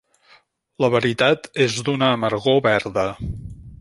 La veritat és d'una amargor verda.